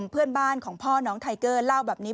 เพื่อนบ้านของพ่อน้องไทเกอร์เล่าแบบนี้